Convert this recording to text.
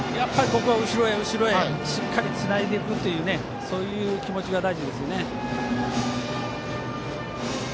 ここは後ろへ後ろへしっかりつないでいくというそういう気持ちが大事ですね。